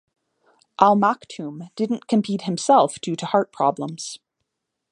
Al Maktoum didn't compete himself due to heart problems.